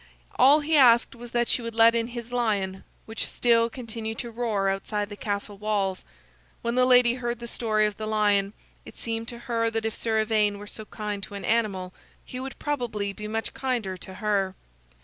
All he asked was that she would let in his lion, which still continued to roar outside the castle walls. When the lady heard the story of the lion, it seemed to her that if Sir Ivaine were so kind to an animal, he would probably be much kinder to her.